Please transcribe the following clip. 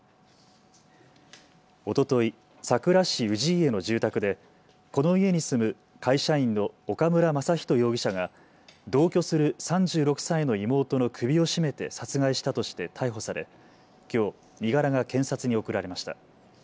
おととい、さくら市氏家の住宅でこの家に住む会社員の岡村真仁容疑者が同居する３６歳の妹の首を絞めて殺害したとして逮捕されきょう身柄が検察に送られました。